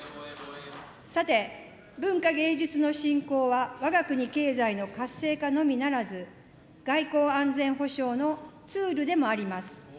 さて、文化芸術の振興はわが国経済の活性化のみならず、外交・安全保障のツールでもあります。